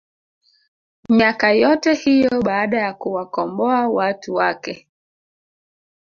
miaka yote hiyo baada ya kuwakomboa watu wake